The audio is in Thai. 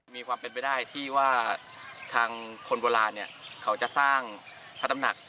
มีความเป็นไปได้ที่ว่าทางคนโบราณเนี่ยเขาจะสร้างพระตำหนัก